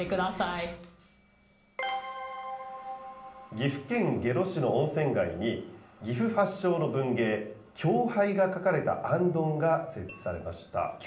岐阜県下呂市の温泉街に、岐阜発祥の文芸、狂俳が書かれたあんどんが設置されました。